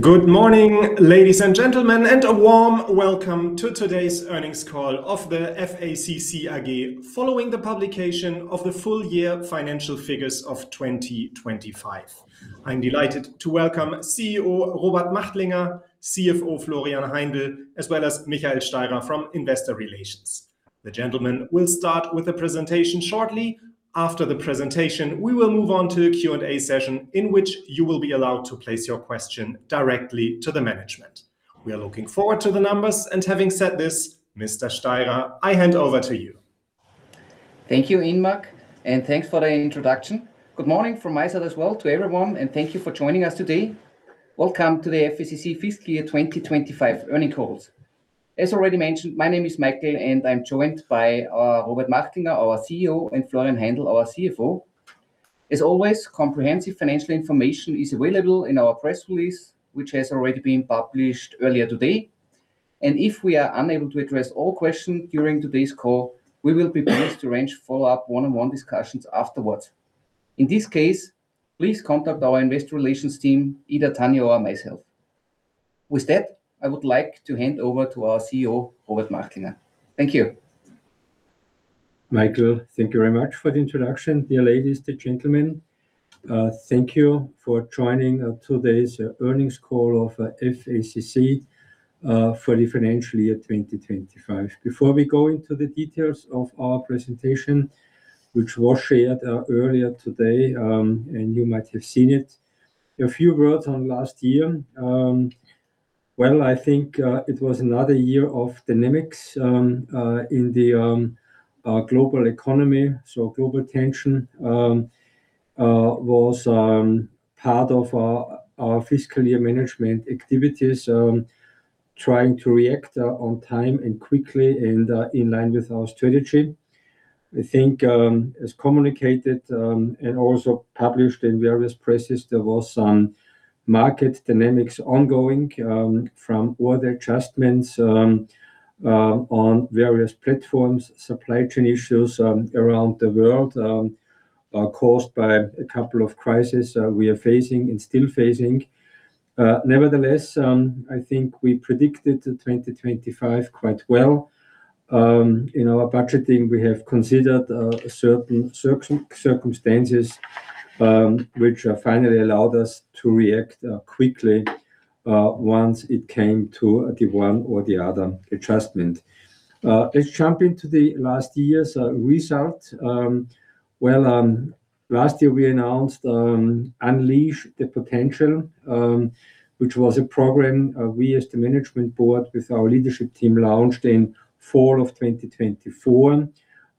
Good morning, ladies and gentlemen, and a warm welcome to today's earnings call of the FACC AG following the publication of the full year financial figures of 2025. I'm delighted to welcome CEO Robert Machtlinger, CFO Florian Heindl, as well as Michael Steirer from Investor Relations. The gentlemen will start with the presentation shortly. After the presentation, we will move on to the Q&A session, in which you will be allowed to place your question directly to the management. We are looking forward to the numbers, and having said this, Mr. Steirer, I hand over to you. Thank you, Ingmar, and thanks for the introduction. Good morning from my side as well to everyone, and thank you for joining us today. Welcome to the FACC fiscal year 2025 earnings calls. As already mentioned, my name is Michael, and I'm joined by Robert Machtlinger, our CEO, and Florian Heindl, our CFO. As always, comprehensive financial information is available in our press release, which has already been published earlier today. If we are unable to address all questions during today's call, we will be pleased to arrange follow-up one-on-one discussions afterwards. In this case, please contact our investor relations team, either Tanya or myself. With that, I would like to hand over to our CEO, Robert Machtlinger. Thank you. Michael, thank you very much for the introduction. Dear ladies, dear gentlemen, thank you for joining today's earnings call of FACC for the financial year 2025. Before we go into the details of our presentation, which was shared earlier today, and you might have seen it, a few words on last year. Well, I think it was another year of dynamics in the global economy. Global tension was part of our fiscal year management activities, trying to react on time and quickly and in line with our strategy. I think, as communicated, and also published in various presses, there was some market dynamics ongoing, from order adjustments, on various platforms, supply chain issues, around the world, caused by a couple of crises, we are facing and still facing. Nevertheless, I think we predicted 2025 quite well. In our budgeting, we have considered certain circumstances, which finally allowed us to react quickly, once it came to the one or the other adjustment. Let's jump into last year's result. Well, last year, we announced Unleash the Potential, which was a program we as the management board with our leadership team launched in fall of 2024.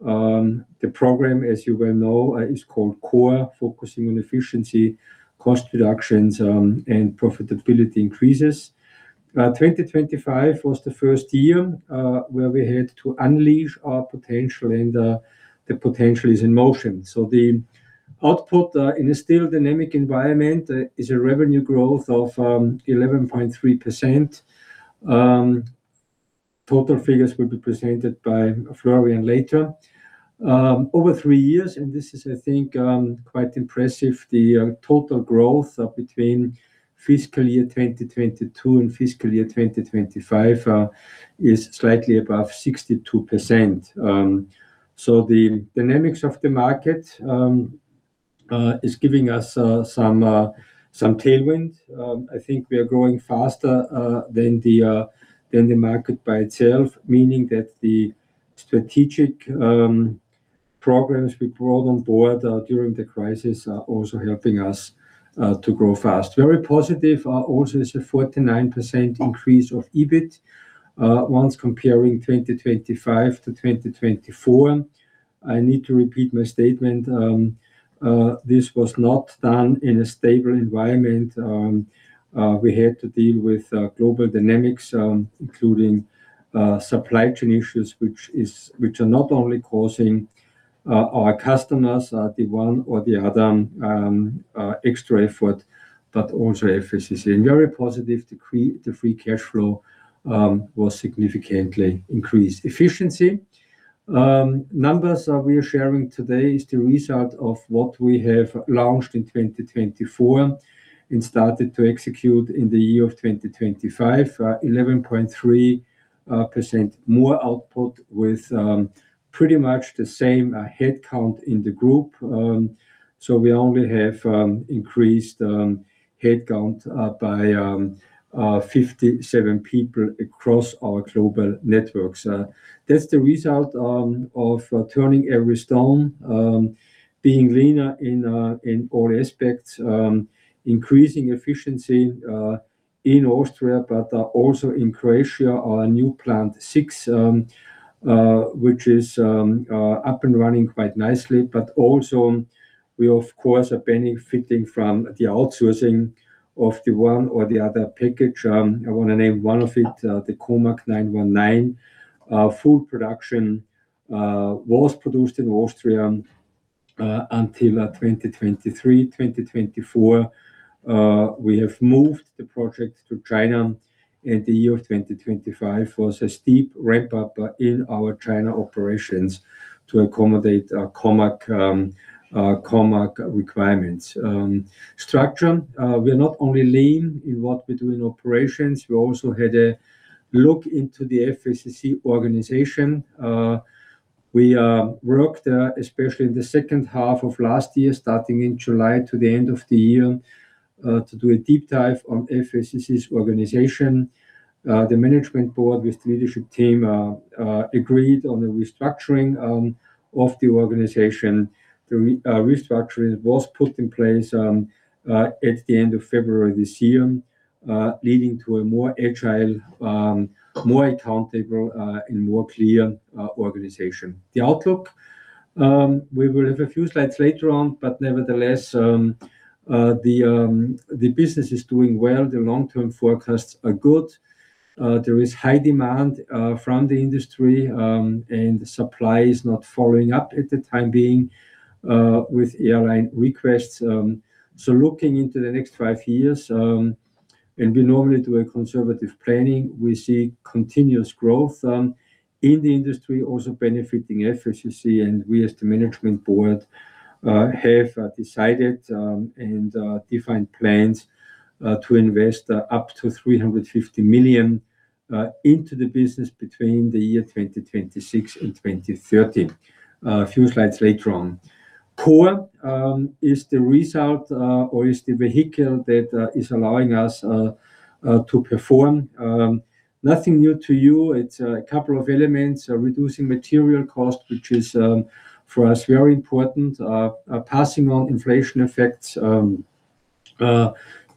The program, as you well know, is called CORE. Focusing on efficiency, cost reductions, and profitability increases. 2025 was the first year where we had to unleash our potential, and the potential is in motion. The output in a still dynamic environment is a revenue growth of 11.3%. Total figures will be presented by Florian later. Over three years, and this is I think quite impressive, the total growth of between fiscal year 2022 and fiscal year 2025 is slightly above 62%. The dynamics of the market is giving us some tailwind. I think we are growing faster than the market by itself, meaning that the strategic programs we brought on board during the crisis are also helping us to grow fast. Very positive also is a 49% increase of EBIT when comparing 2025 to 2024. I need to repeat my statement, this was not done in a stable environment. We had to deal with global dynamics including supply chain issues, which are not only causing our customers the one or the other extra effort, but also FACC. Very positive the free cash flow was significantly increased. Efficiency. Numbers that we are sharing today is the result of what we have launched in 2024 and started to execute in the year of 2025. 11.3% more output with pretty much the same headcount in the group. We only have increased headcount by 57 people across our global networks. That's the result of turning every stone, being leaner in all aspects, increasing efficiency in Austria, but also in Croatia, our new Plant 6, which is up and running quite nicely. We of course are benefiting from the outsourcing of the one or the other package. I wanna name one of it, the COMAC C919. Full production was produced in Austria until 2023, 2024, we have moved the project to China, and the year 2025 was a steep ramp-up in our China operations to accommodate COMAC requirements. Structure, we are not only lean in what we do in operations, we also had a look into the FACC organization. We worked especially in the second half of last year, starting in July to the end of the year, to do a deep dive on FACC's organization. The management board with the leadership team agreed on the restructuring of the organization. The restructuring was put in place at the end of February this year, leading to a more agile, more accountable, and more clear organization. The outlook. We will have a few slides later on, but nevertheless, the business is doing well. The long-term forecasts are good. There is high demand from the industry, and the supply is not following up at the time being with airline requests. Looking into the next five years, and we normally do a conservative planning, we see continuous growth in the industry, also benefiting FACC. We as the management board have decided and defined plans to invest up to 350 million into the business between the year 2026 and 2030. A few slides later on. CORE is the result or is the vehicle that is allowing us to perform. Nothing new to you. It's a couple of elements. Reducing material cost, which is for us very important. Passing on inflation effects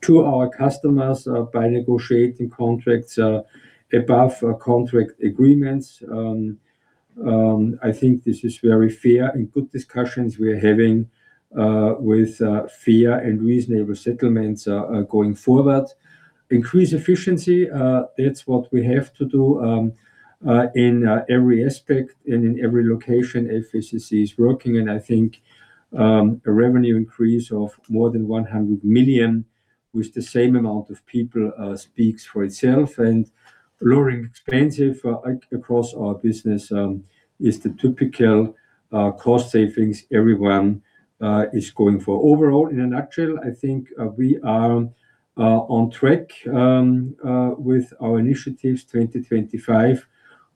to our customers by negotiating contracts above contract agreements. I think this is very fair and good discussions we are having with fair and reasonable settlements going forward. Increase efficiency, that's what we have to do in every aspect and in every location FACC is working. I think a revenue increase of more than 100 million with the same amount of people speaks for itself. Lowering expenses across our business is the typical cost savings everyone is going for. Overall, in a nutshell, I think we are on track with our initiatives. 2025,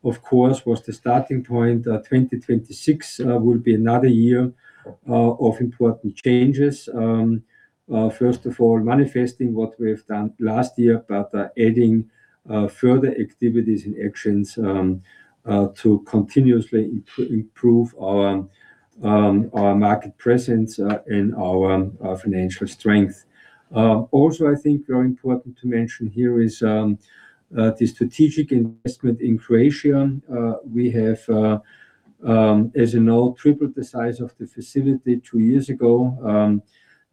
of course, was the starting point. 2026 will be another year of important changes. First of all, manifesting what we have done last year, but adding further activities and actions to continuously improve our market presence and our financial strength. Also I think very important to mention here is the strategic investment in Croatia. We have, as you know, tripled the size of the facility two years ago.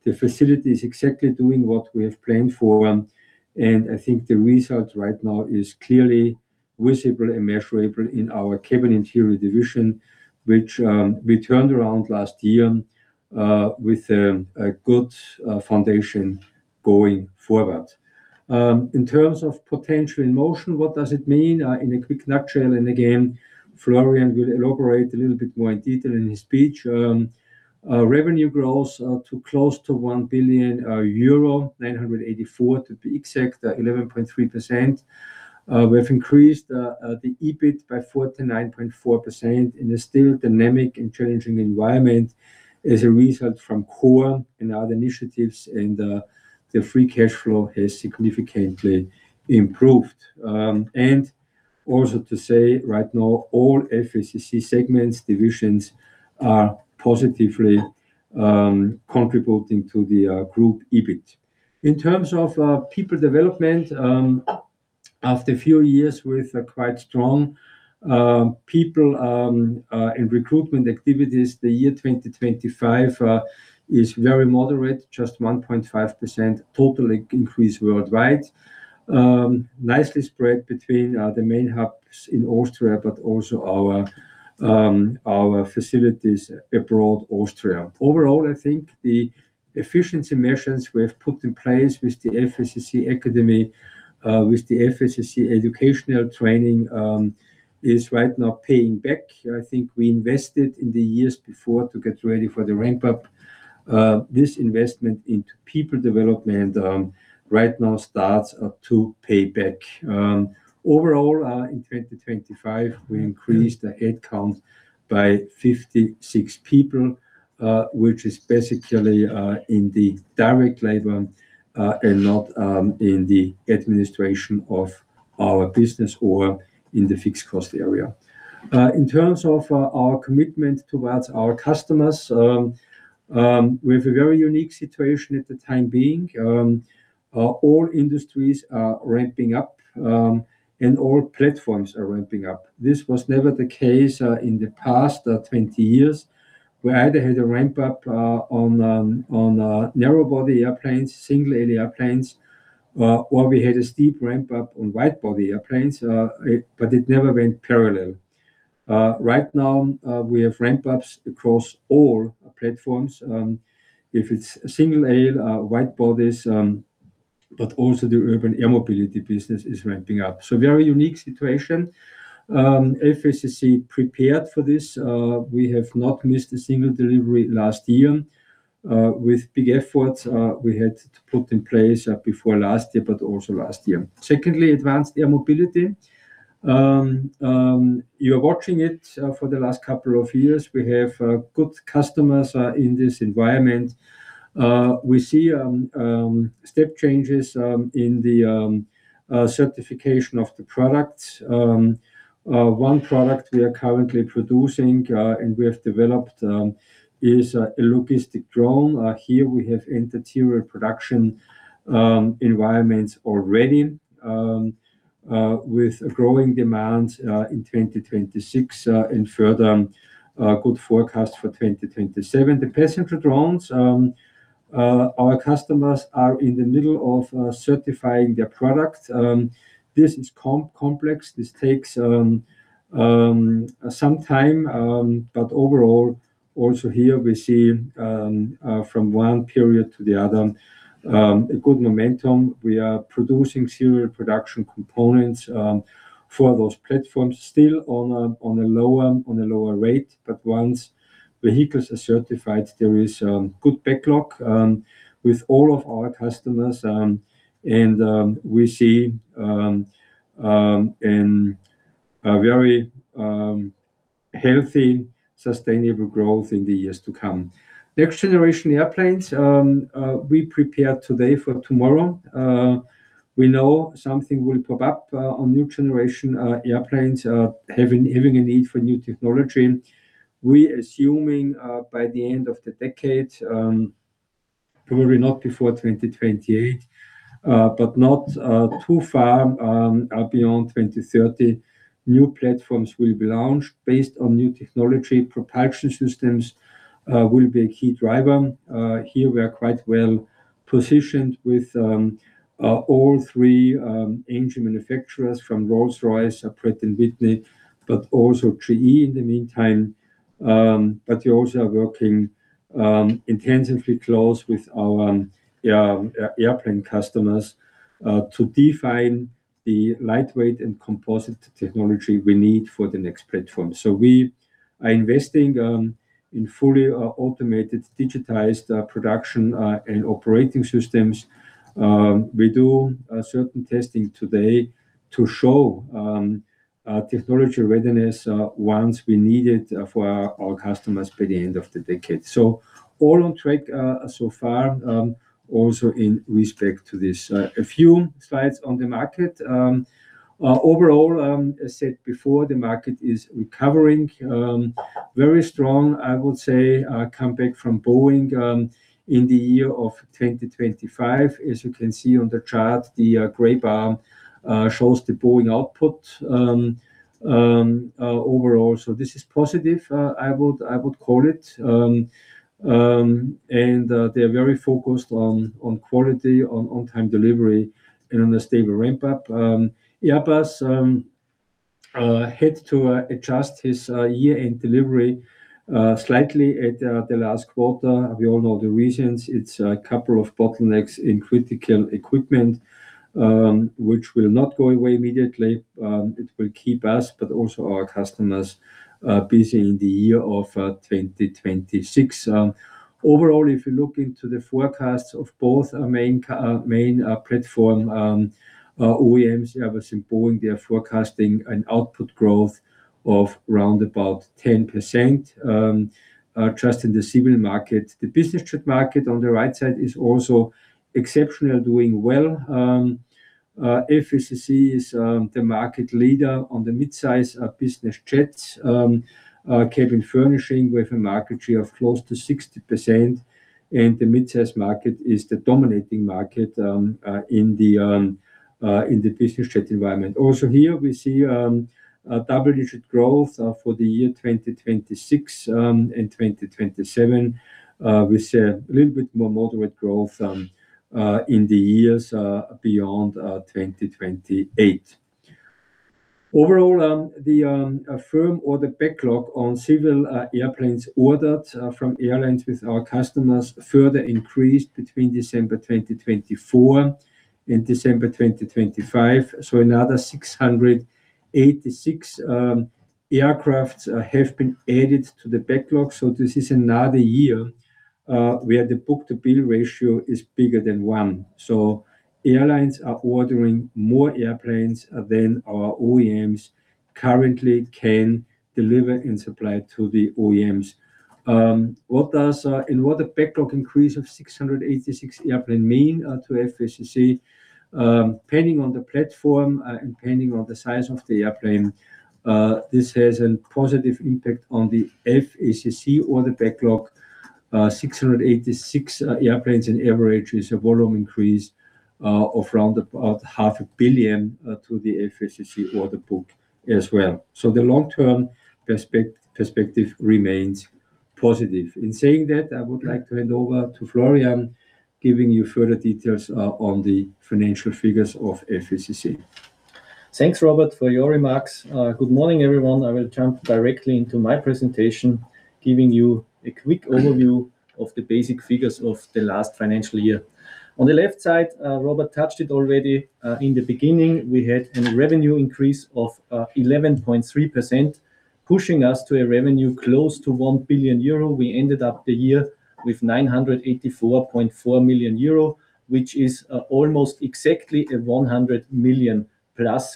The facility is exactly doing what we have planned for, and I think the result right now is clearly visible and measurable in our Cabin Interiors division, which we turned around last year with a good foundation going forward. In terms of potential in motion, what does it mean? In a quick nutshell, Florian will elaborate a little bit more in detail in his speech. Revenue growth to close to 1 billion euro, 984 million to be exact, 11.3%. We have increased the EBIT by 49.4% in a still dynamic and challenging environment as a result of CORE and other initiatives, and the free cash flow has significantly improved. Also, to say right now, all FACC segments, divisions are positively contributing to the group EBIT. In terms of people development, after a few years with a quite strong people and recruitment activities, the year 2025 is very moderate, just 1.5% total increase worldwide. Nicely spread between the main hubs in Austria, but also our facilities abroad Austria. Overall, I think the efficiency measures we have put in place with the FACC Academy, with the FACC educational training, is right now paying back. I think we invested in the years before to get ready for the ramp-up. This investment into people development right now starts to pay back. Overall, in 2025, we increased the headcount by 56 people, which is basically in the direct labor, and not in the administration of our business or in the fixed cost area. In terms of our commitment towards our customers, we have a very unique situation at the time being. All industries are ramping up, and all platforms are ramping up. This was never the case in the past 20 years. We either had a ramp-up on narrow-body airplanes, single-aisle airplanes, or we had a steep ramp-up on wide-body airplanes, but it never went parallel. Right now, we have ramp-ups across all platforms. If it's single-aisle, wide bodies, but also the urban air mobility business is ramping up. Very unique situation. FACC prepared for this. We have not missed a single delivery last year with big efforts we had to put in place before last year, but also last year. Secondly, Advanced Air Mobility, you're watching it for the last couple of years. We have good customers in this environment. We see step changes in the certification of the products. One product we are currently producing and we have developed is a logistic drone. Here we have interior production environments already with growing demand in 2026 and further good forecast for 2027. The passenger drones, our customers are in the middle of certifying their products. This is complex. This takes some time, but overall, also here we see from one period to the other a good momentum. We are producing serial production components for those platforms still on a lower rate, but once vehicles are certified, there is good backlog with all of our customers, and we see a very healthy, sustainable growth in the years to come. Next generation airplanes, we prepare today for tomorrow. We know something will pop up on new generation airplanes having a need for new technology. We're assuming by the end of the decade, probably not before 2028, but not too far beyond 2030, new platforms will be launched based on new technology. Propulsion systems will be a key driver. Here we are quite well-positioned with all three engine manufacturers from Rolls-Royce, Pratt & Whitney, but also GE in the meantime. We also are working intensively close with our airplane customers to define the lightweight and composite technology we need for the next platform. We are investing in fully automated, digitized production and operating systems. We do certain testing today to show technology readiness once we need it for our customers by the end of the decade. All on track so far also in respect to this. A few slides on the market. Overall, as said before, the market is recovering very strong, I would say, comeback from Boeing in the year of 2025. As you can see on the chart, the gray bar shows the Boeing output overall. This is positive, I would call it. They're very focused on quality, on-time delivery, and on a stable ramp-up. Airbus had to adjust its year-end delivery slightly at the last quarter. We all know the reasons. It's a couple of bottlenecks in critical equipment, which will not go away immediately. It will keep us, but also our customers, busy in the year of 2026. Overall, if you look into the forecasts of both our main platform OEMs, Airbus and Boeing, they are forecasting an output growth of round about 10% just in the civil market. The business trip market on the right side is also exceptional, doing well. FACC is the market leader on the midsize business jets cabin furnishing with a market share of close to 60%, and the midsize market is the dominating market in the business jet environment. Also here we see double-digit growth for the year 2026 and 2027 with a little bit more moderate growth in the years beyond 2028. Overall, the firm order backlog on civil airplanes ordered from airlines with our customers further increased between December 2024 and December 2025. Another 686 aircraft have been added to the backlog. This is another year where the book-to-bill ratio is bigger than 1. Airlines are ordering more airplanes than our OEMs currently can deliver and supply to the OEMs. What does the backlog increase of 686 airplanes mean to FACC? Depending on the platform and depending on the size of the airplane, this has a positive impact on the FACC order backlog. 686 airplanes on average is a volume increase of round about 500,000 million to the FACC order book as well. The long-term perspective remains positive. In saying that, I would like to hand over to Florian, giving you further details on the financial figures of FACC. Thanks, Robert, for your remarks. Good morning, everyone. I will jump directly into my presentation, giving you a quick overview of the basic figures of the last financial year. On the left side, Robert touched it already, in the beginning, we had a revenue increase of 11.3%, pushing us to a revenue close to 1 billion euro. We ended up the year with 984.4 million euro, which is almost exactly 100 million+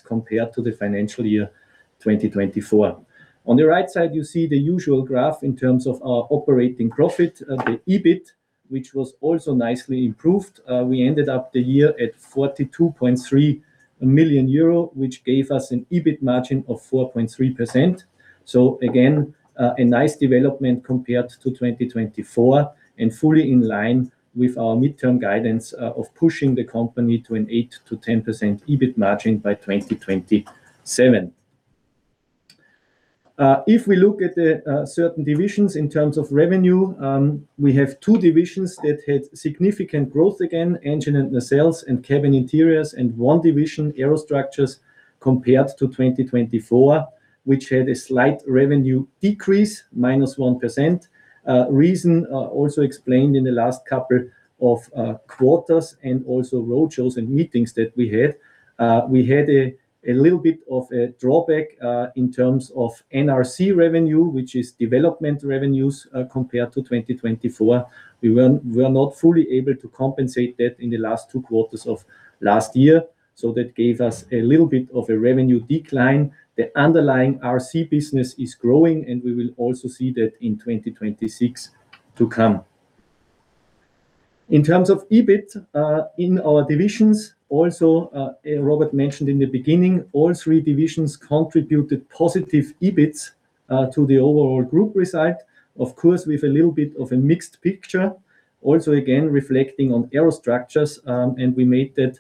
compared to the financial year 2024. On the right side, you see the usual graph in terms of our operating profit, the EBIT, which was also nicely improved. We ended up the year at 42.3 million euro, which gave us an EBIT margin of 4.3%. Again, a nice development compared to 2024 and fully in line with our midterm guidance of pushing the company to an 8%-10% EBIT margin by 2027. If we look at the certain divisions in terms of revenue, we have two divisions that had significant growth again, Engines & Nacelles and Cabin Interiors, and one division, Aerostructures, compared to 2024, which had a slight revenue decrease, -1%. Reason also explained in the last couple of quarters and also roadshows and meetings that we had. We had a little bit of a drawback in terms of NRC revenue, which is development revenues, compared to 2024. We were not fully able to compensate that in the last two quarters of last year. That gave us a little bit of a revenue decline. The underlying RC business is growing, and we will also see that in 2026 to come. In terms of EBIT in our divisions, also, Robert mentioned in the beginning, all three divisions contributed positive EBIT to the overall group result. Of course, with a little bit of a mixed picture. Also, again, reflecting on Aerostructures, and we made that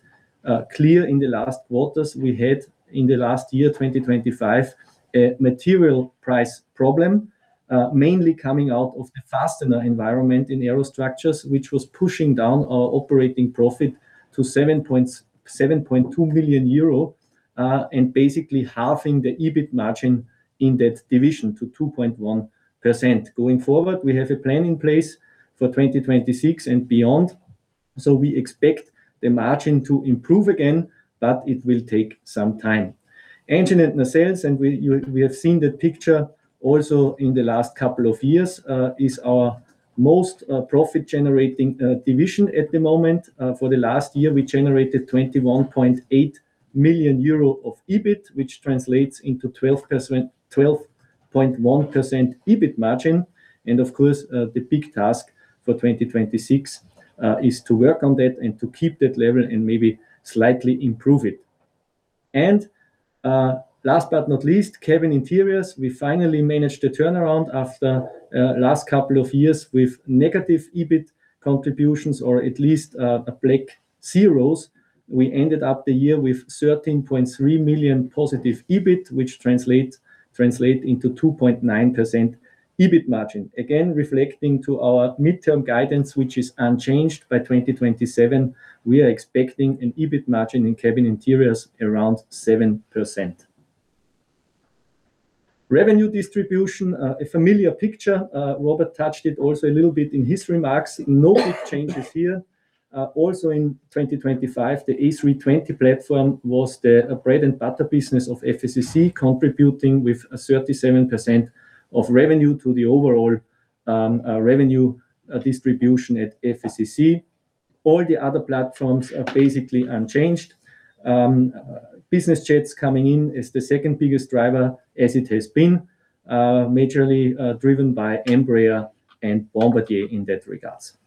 clear in the last quarters. We had in the last year, 2025, a material price problem, mainly coming out of the fastener environment in Aerostructures, which was pushing down our operating profit to 7.2 million euro, and basically halving the EBIT margin in that division to 2.1%. Going forward, we have a plan in place for 2026 and beyond, so we expect the margin to improve again, but it will take some time. Engines & Nacelles, we have seen the picture also in the last couple of years, is our most profit-generating division at the moment. For the last year, we generated 21.8 million euro of EBIT, which translates into 12.1% EBIT margin. The big task for 2026 is to work on that and to keep that level and maybe slightly improve it. Last but not least, Cabin Interiors, we finally managed a turnaround after last couple of years with negative EBIT contributions, or at least, a black zeros. We ended up the year with 13.3 million+ EBIT, which translate into 2.9% EBIT margin. Again, reflecting to our midterm guidance, which is unchanged by 2027, we are expecting an EBIT margin in Cabin Interiors around 7%. Revenue distribution, a familiar picture. Robert touched it also a little bit in his remarks. No big changes here. Also in 2025, the A320 platform was the bread and butter business of FACC, contributing with a 37% of revenue to the overall, revenue distribution at FACC. All the other platforms are basically unchanged. Business jets coming in is the second biggest driver as it has been, majorly, driven by Embraer and Bombardier in that regards.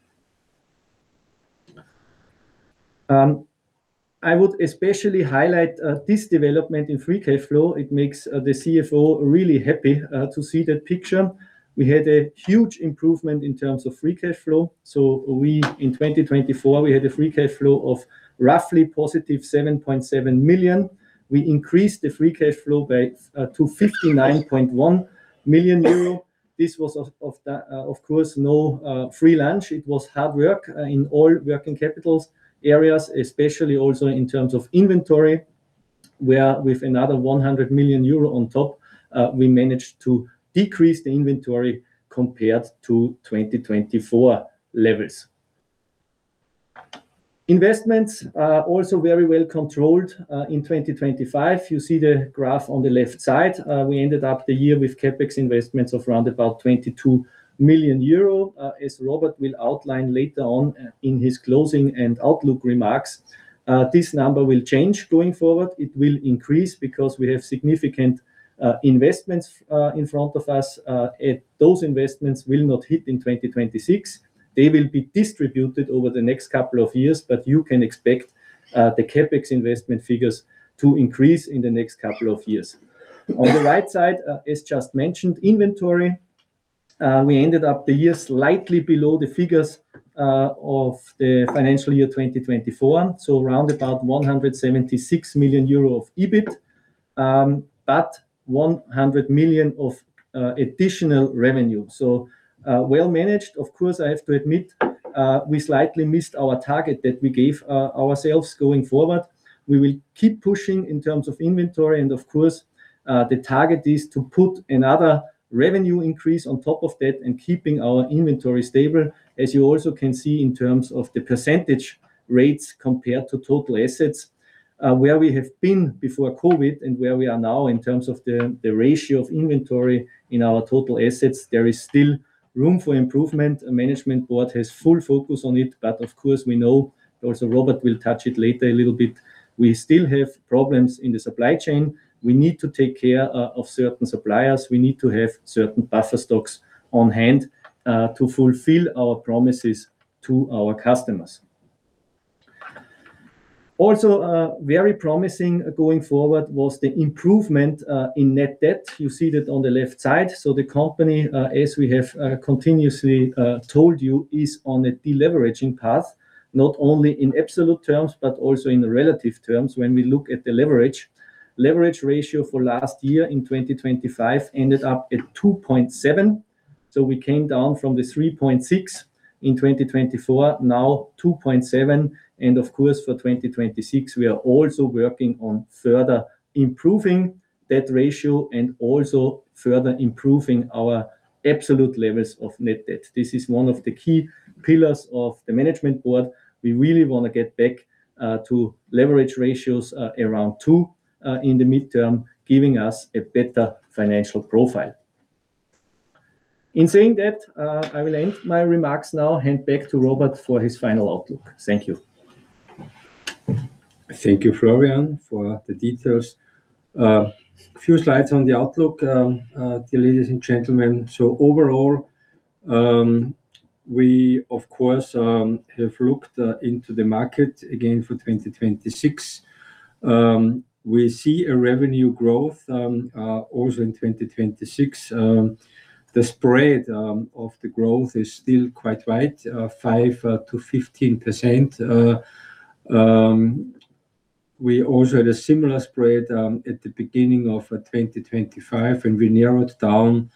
I would especially highlight, this development in free cash flow. It makes the CFO really happy to see that picture. We had a huge improvement in terms of free cash flow. We, in 2024, we had a free cash flow of roughly +7.7 million. We increased the free cash flow to 59.1 million euro. This was of course no free lunch. It was hard work in all working capital areas, especially also in terms of inventory, where with another 100 million euro on top, we managed to decrease the inventory compared to 2024 levels. Investments also very well controlled in 2025. You see the graph on the left side. We ended up the year with CapEx investments of around 22 million euro. As Robert will outline later on, in his closing and outlook remarks, this number will change going forward. It will increase because we have significant investments in front of us. Those investments will not hit in 2026. They will be distributed over the next couple of years, but you can expect the CapEx investment figures to increase in the next couple of years. On the right side, as just mentioned, inventory, we ended the year slightly below the figures of the financial year 2024. Around about 176 million euro of EBIT. But 100 million of additional revenue. Well managed. Of course, I have to admit, we slightly missed our target that we gave ourselves. Going forward, we will keep pushing in terms of inventory, and of course, the target is to put another revenue increase on top of that and keeping our inventory stable. As you also can see in terms of the percentage rates compared to total assets, where we have been before COVID and where we are now in terms of the ratio of inventory in our total assets, there is still room for improvement. The management board has full focus on it, but of course, we know also Robert will touch it later a little bit, we still have problems in the supply chain. We need to take care of certain suppliers. We need to have certain buffer stocks on hand, to fulfill our promises to our customers. Also, very promising going forward was the improvement, in net debt. You see that on the left side. The company, as we have continuously told you, is on a deleveraging path, not only in absolute terms but also in relative terms when we look at the leverage. Leverage ratio for last year in 2025 ended up at 2.7, so we came down from the 3.6 in 2024, now 2.7. Of course, for 2026, we are also working on further improving that ratio and also further improving our absolute levels of net debt. This is one of the key pillars of the management board. We really want to get back to leverage ratios around 2 in the midterm, giving us a better financial profile. In saying that, I will end my remarks now. Hand back to Robert for his final outlook. Thank you. Thank you, Florian, for the details. A few slides on the outlook, dear ladies and gentlemen. Overall, we of course have looked into the market again for 2026. We see a revenue growth also in 2026. The spread of the growth is still quite wide, 5%-15%. We also had a similar spread at the beginning of 2025, and we narrowed down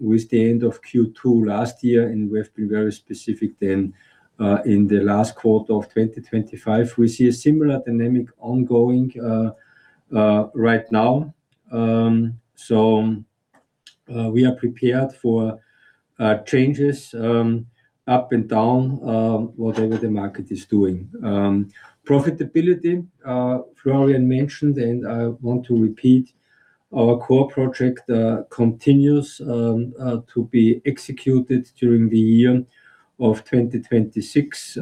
with the end of Q2 last year, and we have been very specific then. In the last quarter of 2025, we see a similar dynamic ongoing right now. We are prepared for changes up and down, whatever the market is doing. Profitability, Florian mentioned, and I want to repeat, our CORE project continues to be executed during the year of 2026,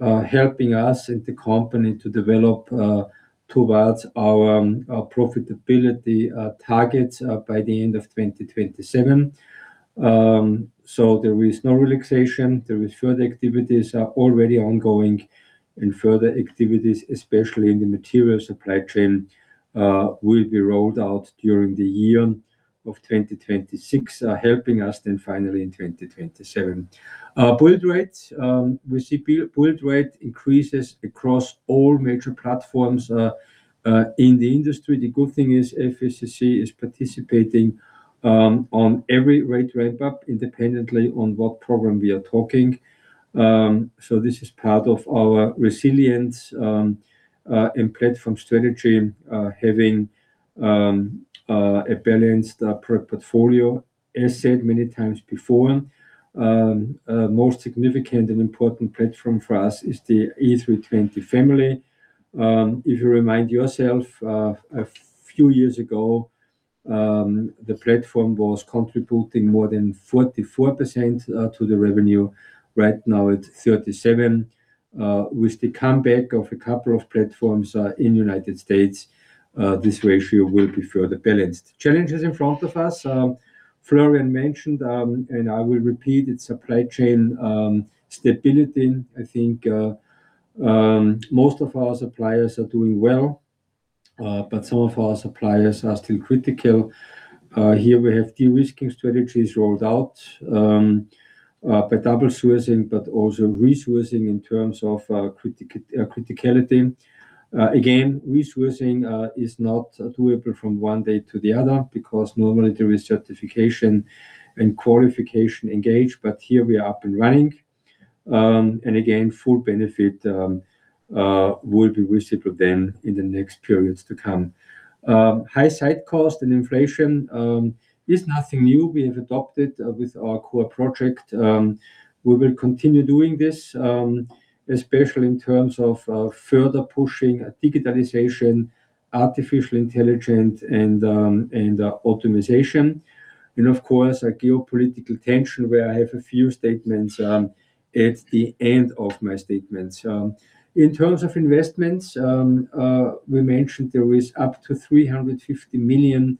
helping us and the company to develop towards our profitability targets by the end of 2027. There is no relaxation. There are further activities already ongoing and further activities, especially in the material supply chain, will be rolled out during the year of 2026, helping us then finally in 2027. Build rates. We see build rate increases across all major platforms in the industry. The good thing is FACC is participating on every rate ramp-up independently on what program we are talking. This is part of our resilience and platform strategy, having a balanced portfolio. As said many times before, most significant and important platform for us is the A320 family. If you remind yourself, a few years ago, the platform was contributing more than 44% to the revenue. Right now it's 37%. With the comeback of a couple of platforms in United States, this ratio will be further balanced. Challenges in front of us, Florian mentioned, and I will repeat, it's supply chain stability. I think, most of our suppliers are doing well, but some of our suppliers are still critical. Here we have de-risking strategies rolled out by double sourcing but also resourcing in terms of criticality. Again, resourcing is not doable from one day to the other because normally there is certification and qualification engaged, but here we are up and running. Again, full benefit will be visible then in the next periods to come. High site cost and inflation is nothing new. We have adapted with our CORE project. We will continue doing this, especially in terms of further pushing digitalization, artificial intelligence, and optimization. Of course, a geopolitical tension where I have a few statements at the end of my statements. In terms of investments, we mentioned there is up to 350 million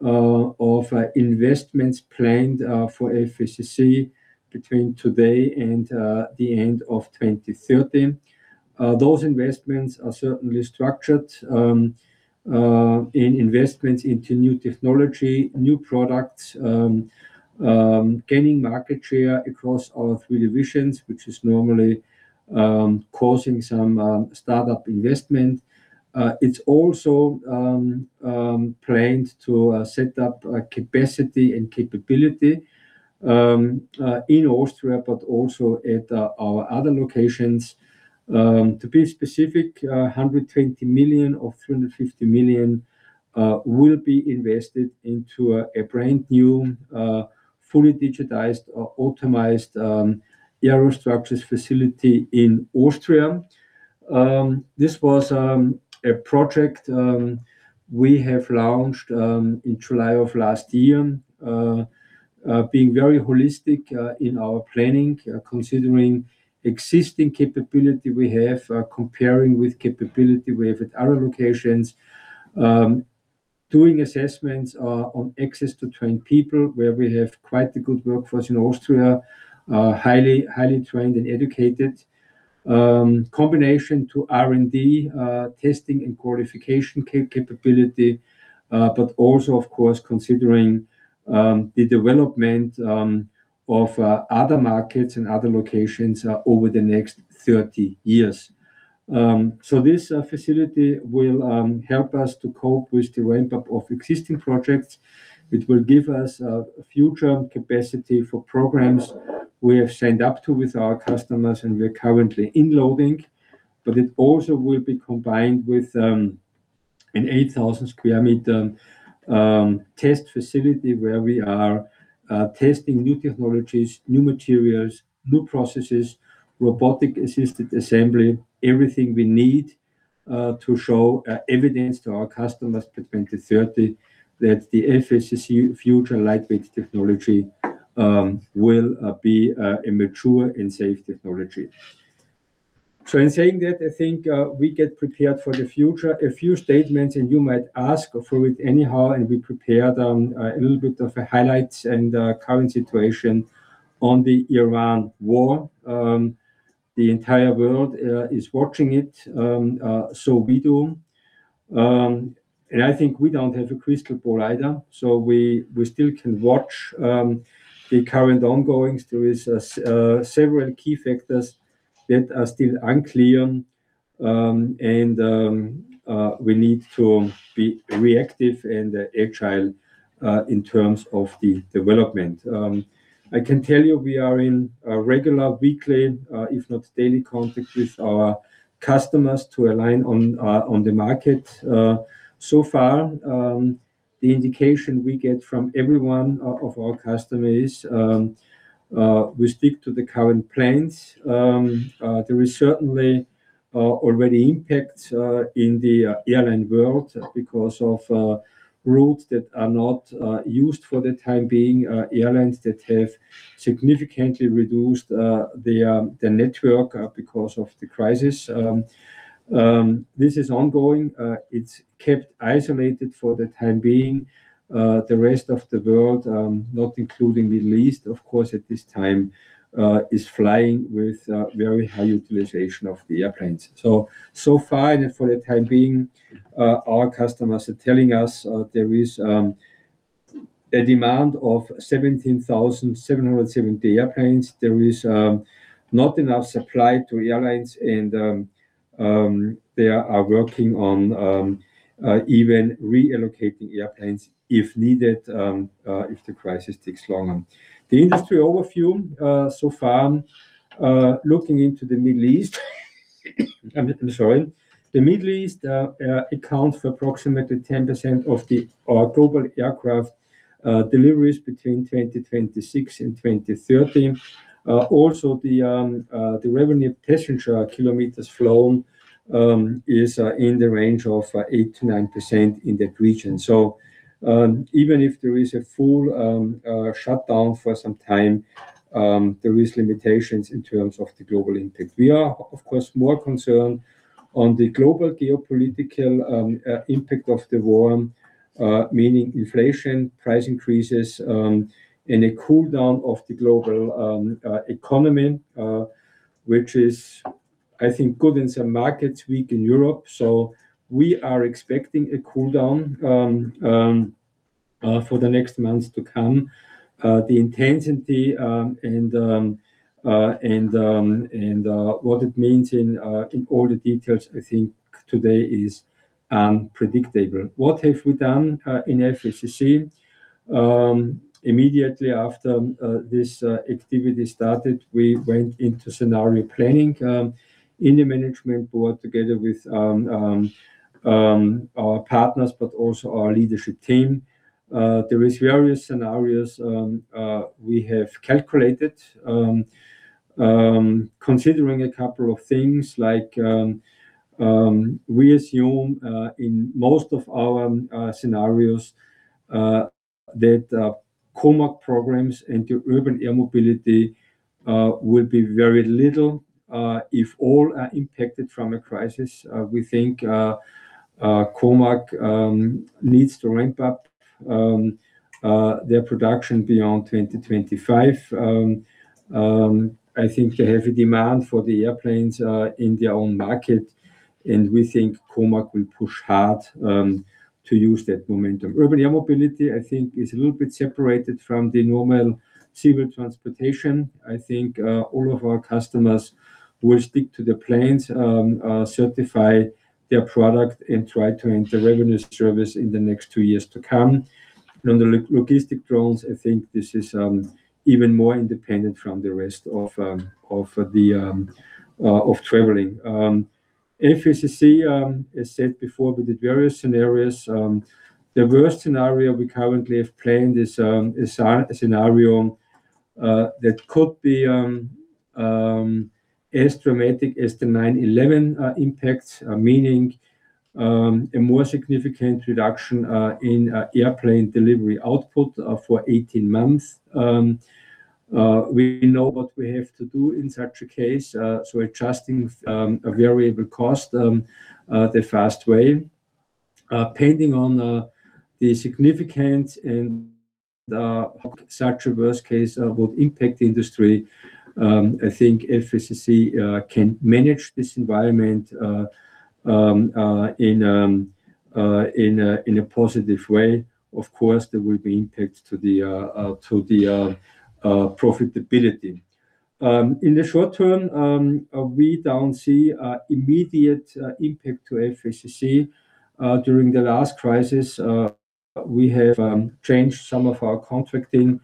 of investments planned for FACC between today and the end of 2030. Those investments are certainly structured in investments into new technology, new products, gaining market share across our three divisions, which is normally causing some startup investment. It's also planned to set up capacity and capability in Austria, but also at our other locations. To be specific, 120 million of 350 million will be invested into a brand new fully digitized or automated Aerostructures facility in Austria. This was a project we have launched in July of last year, being very holistic in our planning, considering existing capability we have, comparing with capability we have at our locations, doing assessments on access to trained people where we have quite a good workforce in Austria, highly trained and educated, combination to R&D, testing and qualification capability, but also of course considering the development of other markets and other locations over the next 30 years. This facility will help us to cope with the ramp-up of existing projects. It will give us future capacity for programs we have signed up to with our customers and we're currently inloading. It also will be combined with an 8,000 sq m test facility where we are testing new technologies, new materials, new processes, robotic-assisted assembly, everything we need to show evidence to our customers by 2030 that the FACC future lightweight technology will be a mature and safe technology. In saying that, I think we get prepared for the future. A few statements, and you might ask for it anyhow, and we prepare them, a little bit of highlights and current situation on the Iran war. The entire world is watching it, so we do. I think we don't have a crystal ball either. We still can watch the current goings-on. There is several key factors that are still unclear, and we need to be reactive and agile in terms of the development. I can tell you we are in regular weekly, if not daily contact with our customers to align on the market. So far, the indication we get from every one of our customers, we stick to the current plans. There is certainly already impact in the airline world because of routes that are not used for the time being, airlines that have significantly reduced the network because of the crisis. This is ongoing. It's kept isolated for the time being. The rest of the world, not including the East, of course, at this time, is flying with very high utilization of the airplanes. So far, and for the time being, our customers are telling us there is a demand of 17,770 airplanes. There is not enough supply to airlines and they are working on even reallocating airplanes if needed if the crisis takes longer. The industry overview so far looking into the Middle East, I'm sorry. The Middle East accounts for approximately 10% of the global aircraft deliveries between 2026 and 2030. Also the revenue passenger kilometers flown is in the range of 8%-9% in that region. Even if there is a full shutdown for some time, there is limitations in terms of the global impact. We are, of course, more concerned on the global geopolitical impact of the war, meaning inflation, price increases, and a cool down of the global economy, which is, I think, good in some markets, weak in Europe. We are expecting a cool down for the next months to come. The intensity and what it means in all the details, I think today is unpredictable. What have we done in FACC? Immediately after this activity started, we went into scenario planning in the management board together with our partners, but also our leadership team. There is various scenarios we have calculated, considering a couple of things like we assume in most of our scenarios that COMAC programs into urban air mobility will be very little if all are impacted from a crisis. We think COMAC needs to ramp up their production beyond 2025. I think they have a demand for the airplanes in their own market, and we think COMAC will push hard to use that momentum. Urban air mobility, I think, is a little bit separated from the normal civil transportation. I think all of our customers will stick to the plans, certify their product and try to enter revenue service in the next two years to come. On the logistic drones, I think this is even more independent from the rest of traveling. FACC, as said before, we did various scenarios. The worst scenario we currently have planned is a scenario that could be as dramatic as the 9/11 impacts, meaning a more significant reduction in airplane delivery output for 18 months. We know what we have to do in such a case. Adjusting a variable cost the fast way. Depending on the significance in such a worst case would impact the industry, I think FACC can manage this environment in a positive way. Of course, there will be impacts to the profitability. In the short term, we don't see a immediate impact to FACC. During the last crisis, we have changed some of our contracting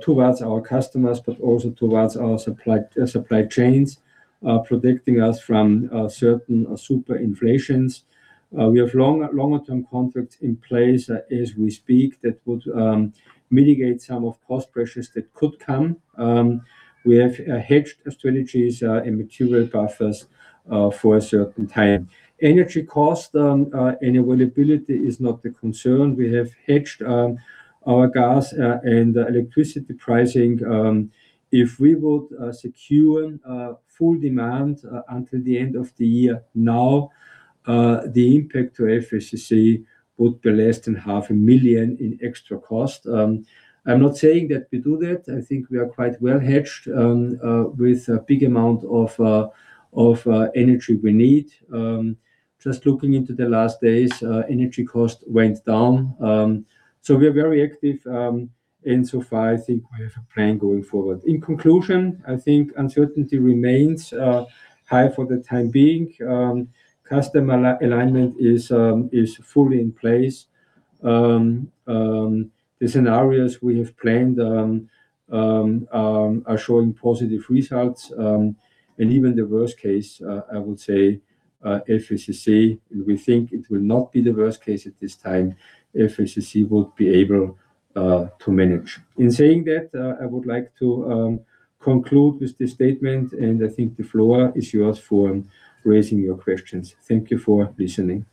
towards our customers, but also towards our supply chains, protecting us from certain super inflations. We have longer-term contracts in place as we speak that would mitigate some of cost pressures that could come. We have hedged strategies and material buffers for a certain time. Energy cost and availability is not a concern. We have hedged our gas and electricity pricing. If we would secure full demand until the end of the year now, the impact to FACC would be less than 500,000 million in extra cost. I'm not saying that we do that. I think we are quite well hedged with a big amount of energy we need. Just looking into the last days, energy cost went down. We are very active and so far, I think we have a plan going forward. In conclusion, I think uncertainty remains high for the time being. Customer alignment is fully in place. The scenarios we have planned are showing positive results. Even the worst case, I would say, FACC, we think it will not be the worst case at this time, FACC would be able to manage. In saying that, I would like to conclude with this statement, and I think the floor is yours for raising your questions. Thank you for listening.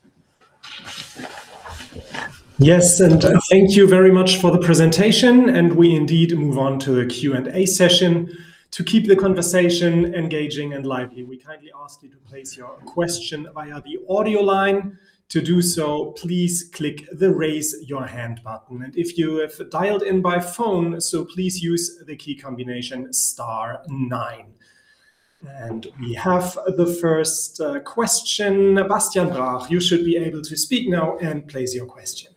Yes, thank you very much for the presentation, and we indeed move on to the Q&A session. To keep the conversation engaging and lively, we kindly ask you to place your question via the audio line. To do so, please click the Raise Your Hand button. If you have dialed in by phone, so please use the key combination star nine. We have the first question. Bastian Raach, you should be able to speak now and place your question.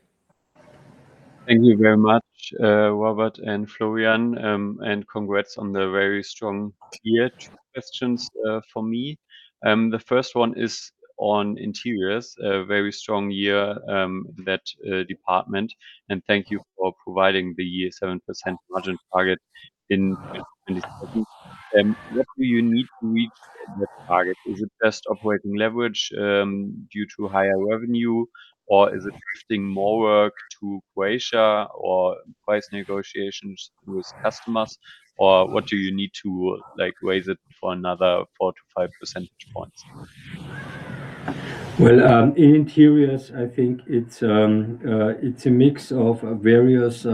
Thank you very much, Robert and Florian, and congrats on the very strong year. Two questions for me. The first one is on interiors, a very strong year, that department, and thank you for providing the 7% margin target in 2027. What do you need to reach that target? Is it best operating leverage due to higher revenue, or is it shifting more work to Croatia or price negotiations with customers? Or what do you need to, like, raise it for another 4-5 percentage points? Well, in interiors, I think it's a mix of various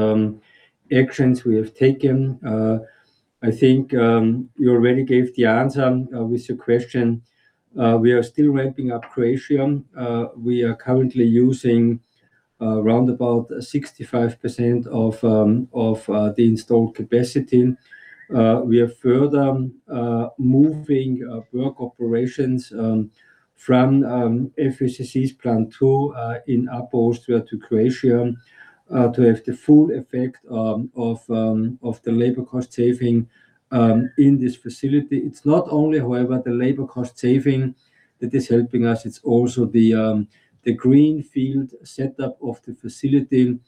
actions we have taken. I think you already gave the answer with your question. We are still ramping up Croatia. We are currently using around about 65% of the installed capacity. We are further moving work operations from FACC's Plant 2 in Austria to Croatia to have the full effect of the labor cost saving in this facility. It's not only, however, the labor cost saving that is helping us. It's also the greenfield setup of the facility,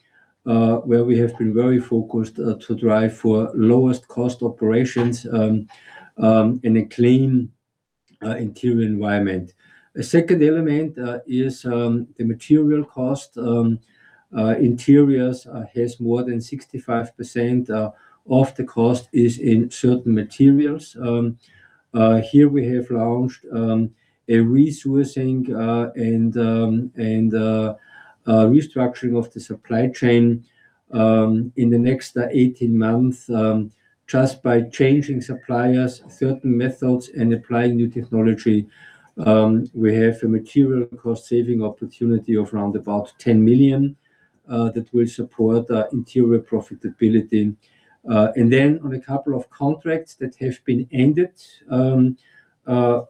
where we have been very focused to drive for lowest cost operations in a clean interior environment. A second element is the material cost. Interiors has more than 65% of the cost in certain materials. Here we have launched a resourcing and restructuring of the supply chain in the next 18 months. Just by changing suppliers, certain methods, and applying new technology, we have a material cost saving opportunity of around about 10 million that will support interior profitability. On a couple of contracts that have been ended,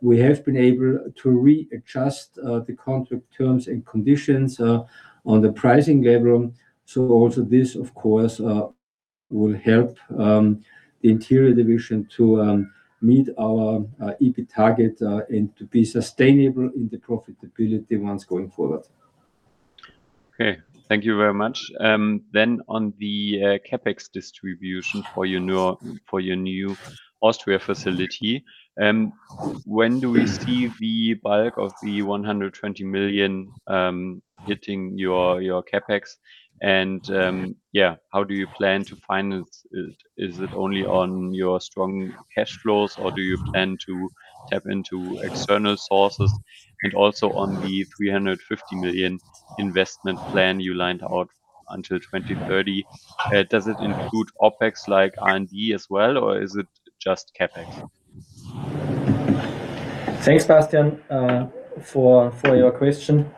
we have been able to readjust the contract terms and conditions on the pricing level. Also this of course will help the interior division to meet our EBIT target and to be sustainable in the profitability months going forward. Okay, thank you very much. On the CapEx distribution for your new Austria facility, when do we see the bulk of the 120 million hitting your CapEx? And, yeah, how do you plan to finance it? Is it only on your strong cash flows, or do you plan to tap into external sources? And also on the 350 million investment plan you laid out until 2030, does it include OpEx like R&D as well, or is it just CapEx? Thanks, Bastian, for your question.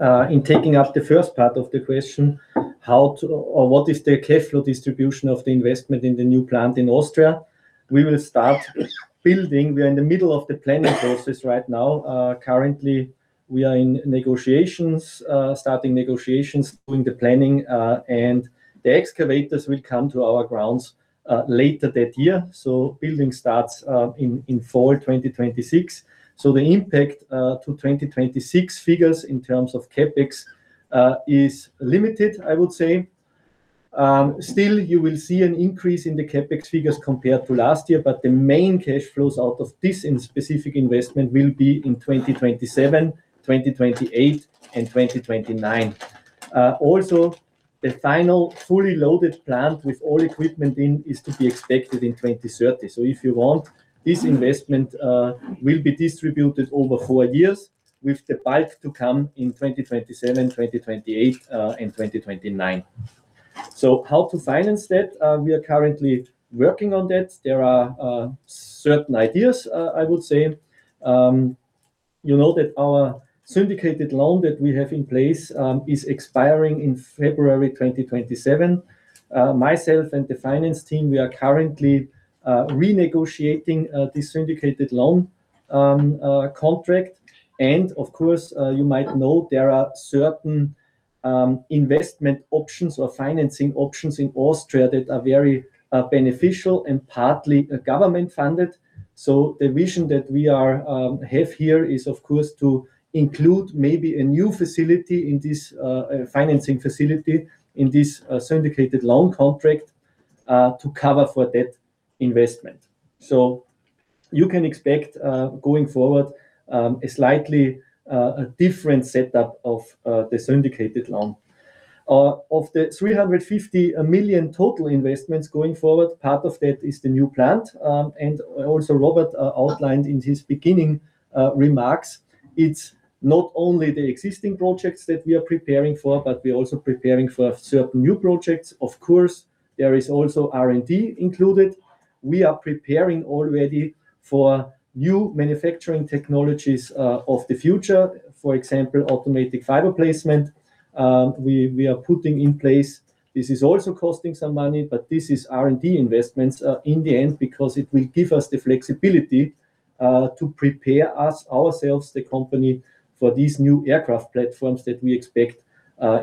In taking up the first part of the question, how to or what is the cash flow distribution of the investment in the new plant in Austria, we will start building. We are in the middle of the planning process right now. Currently we are in negotiations, doing the planning, and the excavators will come to our grounds later that year. Building starts in fall 2026. The impact to 2026 figures in terms of CapEx is limited, I would say. Still, you will see an increase in the CapEx figures compared to last year, but the main cash flows out of this specific investment will be in 2027, 2028, and 2029. The final fully loaded plant with all equipment in is to be expected in 2030. If you want, this investment will be distributed over four years, with the pipe to come in 2027, 2028, and 2029. How to finance that? We are currently working on that. There are certain ideas, I would say. You know that our syndicated loan that we have in place is expiring in February 2027. Myself and the finance team, we are currently renegotiating this syndicated loan contract. Of course, you might know there are certain investment options or financing options in Austria that are very beneficial and partly government funded. The vision that we have here is of course to include maybe a new facility in this financing facility, in this syndicated loan contract to cover for that investment. You can expect going forward a slightly different setup of the syndicated loan. Of the 350 million total investments going forward, part of that is the new plant. Also Robert outlined in his beginning remarks, it's not only the existing projects that we are preparing for, but we're also preparing for certain new projects. Of course, there is also R&D included. We are preparing already for new manufacturing technologies of the future. For example, automated fiber placement, we are putting in place. This is also costing some money, but this is R&D investments, in the end because it will give us the flexibility, to prepare ourselves, the company, for these new aircraft platforms that we expect,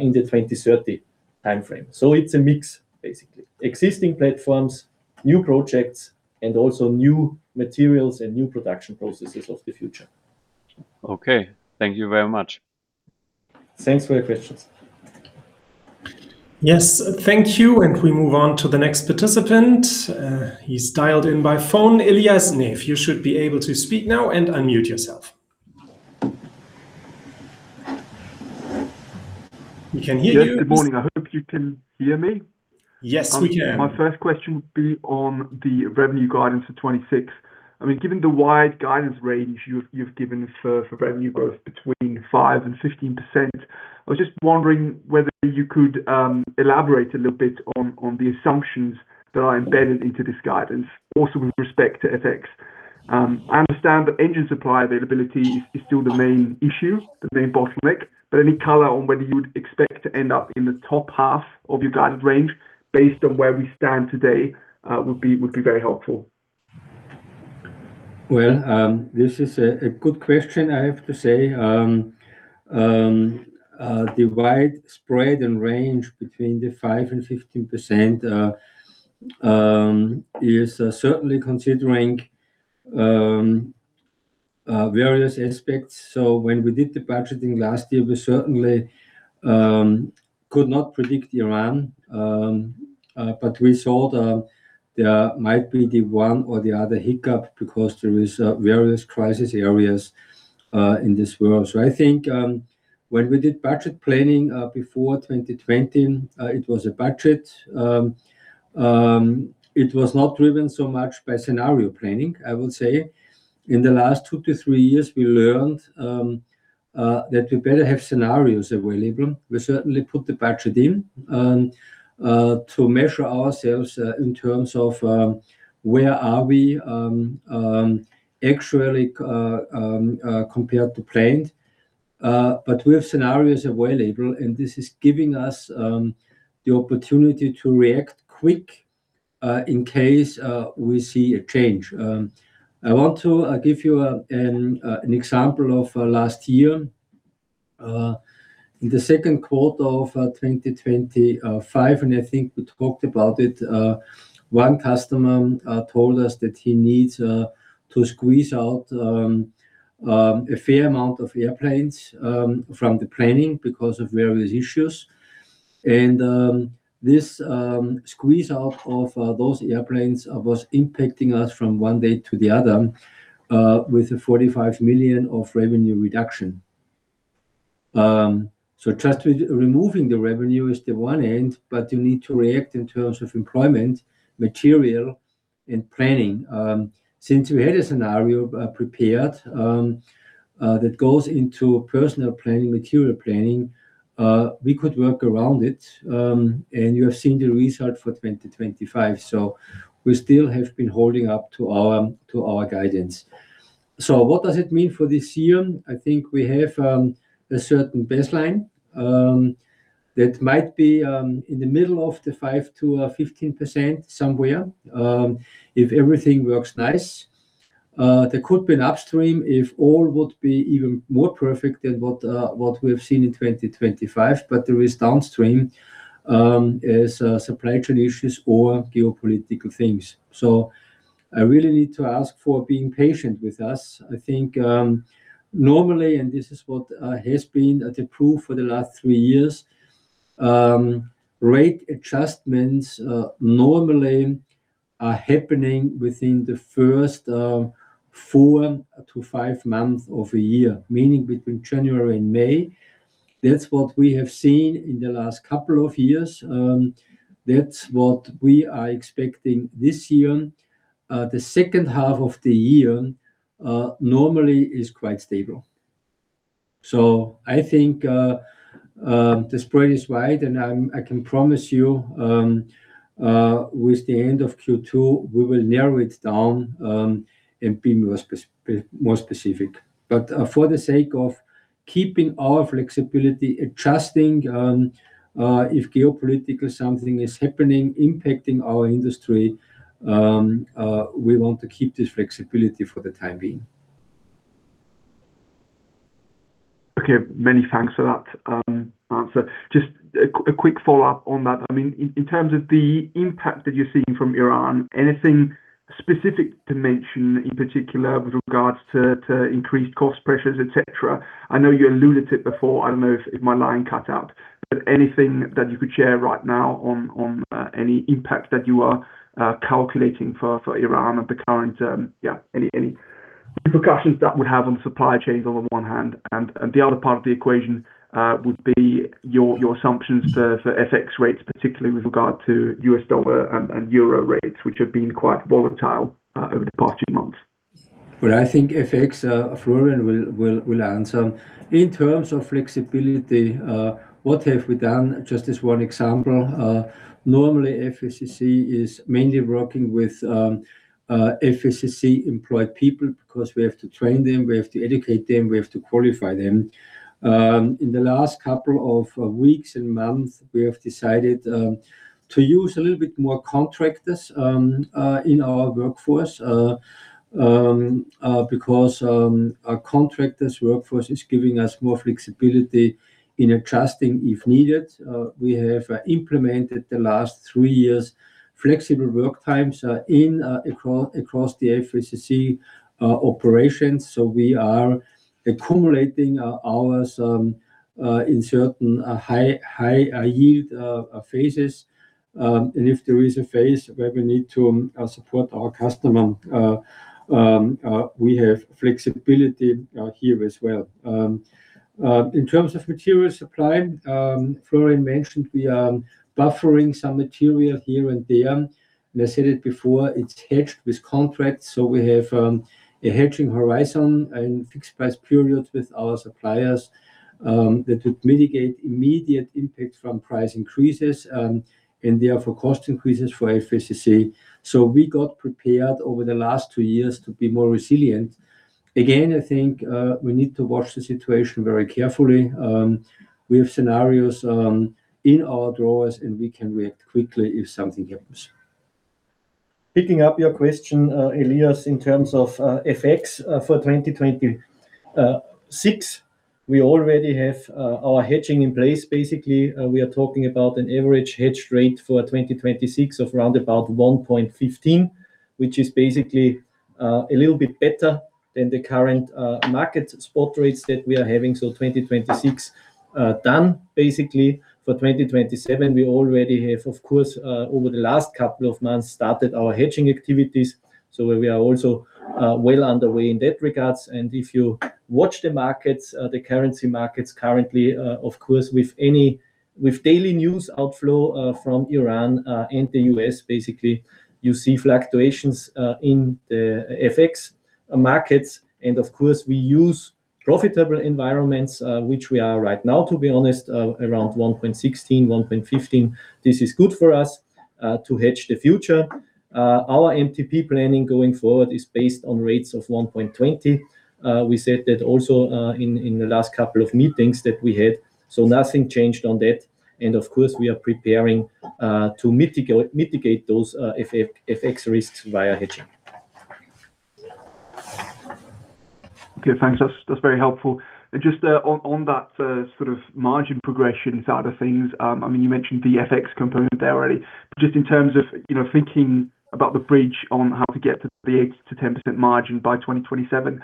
in the 2030 timeframe. It's a mix basically. Existing platforms, new projects, and also new materials and new production processes of the future. Okay. Thank you very much. Thanks for your questions. Yes. Thank you. We move on to the next participant. He's dialed in by phone. Ilyas Neff, you should be able to speak now and unmute yourself. We can hear you. Yes. Good morning. I hope you can hear me. Yes, we can. My first question would be on the revenue guidance for 2026. I mean, given the wide guidance range you've given for revenue growth between 5%-15%, I was just wondering whether you could elaborate a little bit on the assumptions that are embedded into this guidance, also with respect to FX. I understand that engine supply availability is still the main issue, the main bottleneck, but any color on whether you would expect to end up in the top half of your guided range based on where we stand today would be very helpful. Well, this is a good question, I have to say. The widespread range between the 5%-15% is certainly considering various aspects. When we did the budgeting last year, we certainly could not predict Iran. But we saw that there might be the one or the other hiccup because there is various crisis areas in this world. I think when we did budget planning before 2020, it was a budget. It was not driven so much by scenario planning, I would say. In the last two to three years, we learned that we better have scenarios available. We certainly put the budget in to measure ourselves in terms of where are we actually compared to planned. We have scenarios available, and this is giving us the opportunity to react quick in case we see a change. I want to give you an example of last year. In the second quarter of 2025, and I think we talked about it, one customer told us that he needs to squeeze out a fair amount of airplanes from the planning because of various issues. This squeeze out of those airplanes was impacting us from one day to the other with a 45 million revenue reduction. Just with removing the revenue is the one end, but you need to react in terms of employment, material and planning. Since we had a scenario prepared that goes into personnel planning, material planning, we could work around it, and you have seen the result for 2025. We still have been holding up to our guidance. What does it mean for this year? I think we have a certain baseline that might be in the middle of the 5%-15% somewhere, if everything works nice. There could be an upstream if all would be even more perfect than what we have seen in 2025. There is downstream, supply chain issues or geopolitical things. I really need to ask for being patient with us. I think normally, and this is what has been approved for the last three years, rate adjustments normally are happening within the first four to five months of a year, meaning between January and May. That's what we have seen in the last couple of years. That's what we are expecting this year. The second half of the year normally is quite stable. I think the spread is wide, and I can promise you with the end of Q2 we will narrow it down and be more specific. For the sake of keeping our flexibility, adjusting if geopolitical something is happening, impacting our industry, we want to keep this flexibility for the time being. Okay. Many thanks for that, answer. Just a quick follow-up on that. I mean, in terms of the impact that you're seeing from Iran, anything specific to mention, in particular with regards to increased cost pressures, et cetera? I know you alluded to it before. I don't know if my line cut out. Anything that you could share right now on any impact that you are calculating for Iran at the current. Yeah, any repercussions that would have on supply chains on the one hand. The other part of the equation would be your assumptions for FX rates, particularly with regard to U.S. dollar and euro rates, which have been quite volatile over the past few months. Well, I think FX, Florian will answer. In terms of flexibility, what have we done? Just as one example, normally FACC is mainly working with FACC employed people because we have to train them, we have to educate them, we have to qualify them. In the last couple of weeks and months, we have decided to use a little bit more contractors in our workforce because a contractor's workforce is giving us more flexibility in adjusting if needed. We have implemented the last three years flexible work times across the FACC operations, so we are accumulating our hours in certain high yield phases. If there is a phase where we need to support our customer, we have flexibility here as well. In terms of material supply, Florian mentioned we are buffering some material here and there, and I said it before, it's hedged with contracts. We have a hedging horizon and fixed price periods with our suppliers that would mitigate immediate impact from price increases and therefore cost increases for FACC. We got prepared over the last two years to be more resilient. Again, I think we need to watch the situation very carefully. We have scenarios in our drawers, and we can react quickly if something happens. Picking up your question, Ilyas, in terms of FX for 2026, we already have our hedging in place. Basically, we are talking about an average hedge rate for 2026 of round about 1.15, which is basically a little bit better than the current market spot rates that we are having. So 2026 done basically. For 2027, we already have, of course, over the last couple of months, started our hedging activities. So we are also well underway in that regard. If you watch the markets, the currency markets currently, of course, with daily news outflow from Iran and the U.S., basically, you see fluctuations in the FX markets. Of course, we use profitable environments, which we are right now, to be honest, around 1.16, 1.15. This is good for us to hedge the future. Our MTP planning going forward is based on rates of 1.20. We said that also in the last couple of meetings that we had, so nothing changed on that. Of course, we are preparing to mitigate those FX risks via hedging. Okay, thanks. That's very helpful. Just on that sort of margin progression side of things, I mean, you know, thinking about the bridge on how to get to the 8%-10% margin by 2027,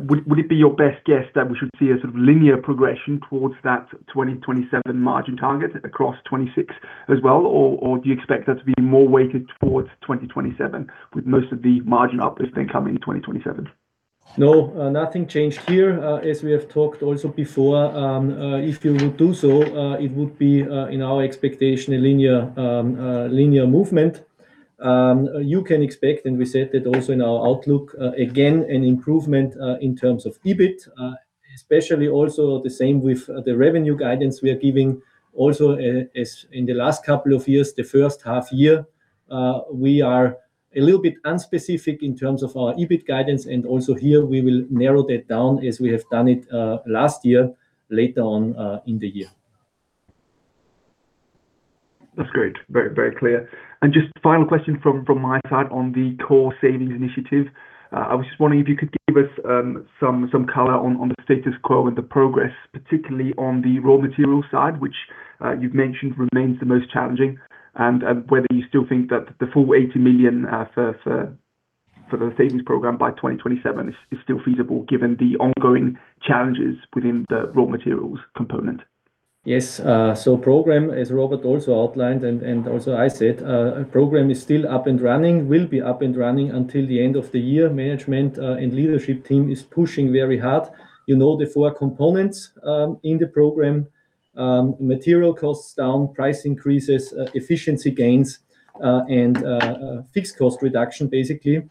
would it be your best guess that we should see a sort of linear progression towards that 2027 margin target across 2026 as well, or do you expect that to be more weighted towards 2027, with most of the margin uplift then come in 2027? No, nothing changed here. As we have talked also before, if you would do so, it would be, in our expectation, a linear movement. You can expect, and we said that also in our outlook, again an improvement in terms of EBIT, especially also the same with the revenue guidance we are giving. Also, as in the last couple of years, the first half year, we are a little bit unspecific in terms of our EBIT guidance. Also here we will narrow that down as we have done it last year, later on in the year. That's great. Very, very clear. Just final question from my side on the core savings initiative. I was just wondering if you could give us some color on the status quo and the progress, particularly on the raw material side, which you've mentioned remains the most challenging, and whether you still think that the full 80 million for the savings program by 2027 is still feasible given the ongoing challenges within the raw materials component. Yes. Program, as Robert also outlined and also I said, our program is still up and running, will be up and running until the end of the year. Management and leadership team is pushing very hard. You know, the four components in the program, material costs down, price increases, efficiency gains, and fixed cost reduction, basically.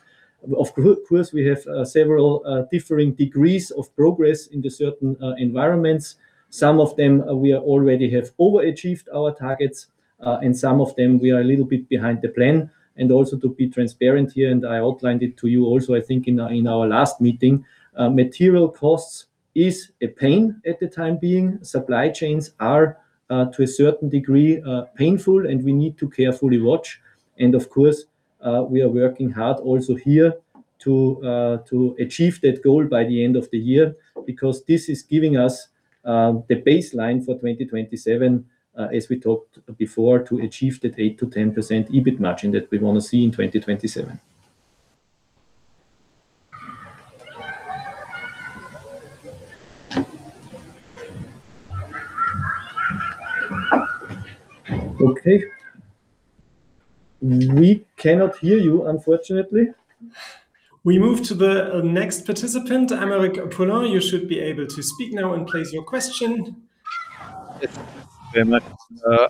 Of course, we have several differing degrees of progress into certain environments. Some of them, we already have overachieved our targets, and some of them we are a little bit behind the plan. Also to be transparent here, and I outlined it to you also, I think in our last meeting, material costs is a pain at the time being. Supply chains are, to a certain degree, painful, and we need to carefully watch. Of course, we are working hard also here to achieve that goal by the end of the year because this is giving us the baseline for 2027, as we talked before, to achieve that 8%-10% EBIT margin that we wanna see in 2027. Okay. We cannot hear you, unfortunately. We move to the next participant. Aymeric Poulain, you should be able to speak now and place your question. Yes. Very much.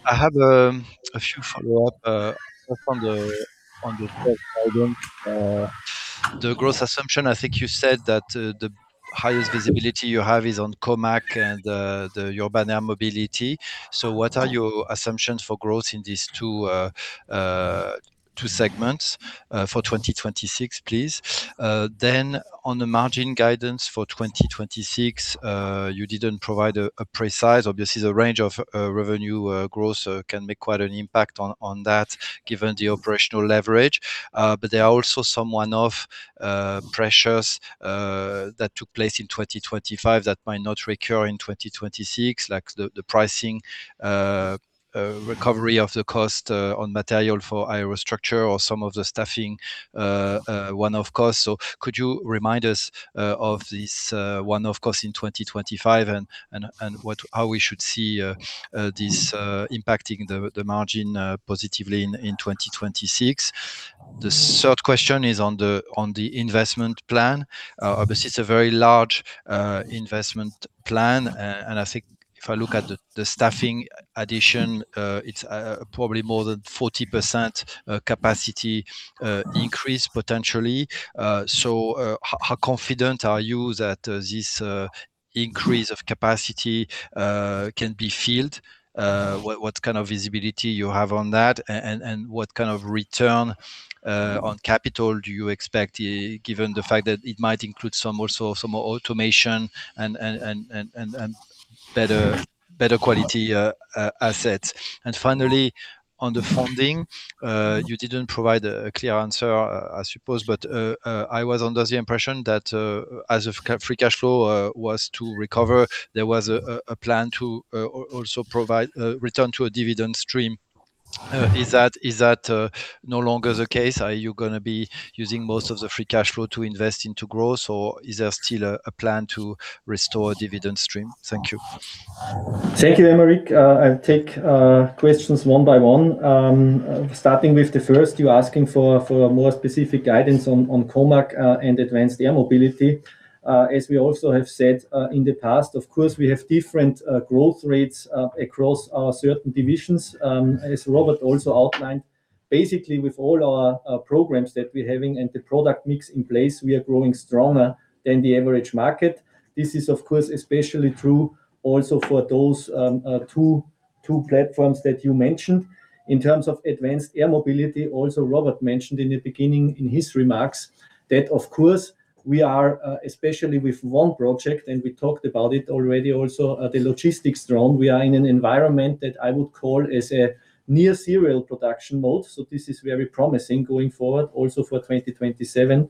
I have a few follow-up, first on the first item. The growth assumption. I think you said that the highest visibility you have is on COMAC and the urban air mobility. What are your assumptions for growth in these two segments for 2026, please? Then on the margin guidance for 2026, you didn't provide a precise. Obviously, the range of revenue growth can make quite an impact on that given the operational leverage. But there are also some one-off pressures that took place in 2025 that might not recur in 2026, like the pricing recovery of the cost on material for Aerostructures or some of the staffing one-off costs. Could you remind us of this one-off costs in 2025 and what how we should see this impacting the margin positively in 2026? The third question is on the investment plan. Obviously it's a very large investment plan. I think if I look at the staffing addition, it's probably more than 40% capacity increase potentially. How confident are you that this increase of capacity can be filled? What kind of visibility you have on that? And what kind of return on capital do you expect given the fact that it might include some also some more automation and better quality assets. Finally, on the funding, you didn't provide a clear answer, I suppose, but I was under the impression that as free cash flow was to recover, there was a plan to also provide return to a dividend stream. Is that no longer the case? Are you gonna be using most of the free cash flow to invest into growth, or is there still a plan to restore dividend stream? Thank you. Thank you, Aymeric. I'll take questions one by one. Starting with the first, you're asking for more specific guidance on COMAC and Advanced Air Mobility. As we also have said in the past, of course, we have different growth rates across our certain divisions. As Robert also outlined. Basically, with all our programs that we're having and the product mix in place, we are growing stronger than the average market. This is of course especially true also for those two platforms that you mentioned. In terms of Advanced Air Mobility, Robert mentioned in the beginning in his remarks that, of course, we are especially with one project, and we talked about it already also, the logistics drone, we are in an environment that I would call as a near serial production mode, so this is very promising going forward. Also for 2027,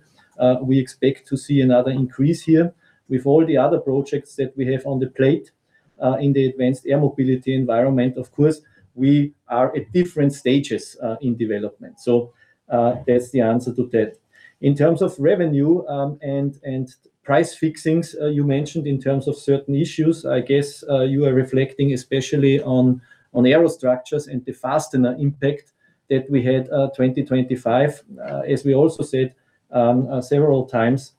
we expect to see another increase here. With all the other projects that we have on the plate, in the Advanced Air Mobility environment, of course, we are at different stages in development. That's the answer to that. In terms of revenue, and price fixings, you mentioned in terms of certain issues, I guess, you are reflecting especially on Aerostructures and the fastener impact that we had, 2025. As we also said several times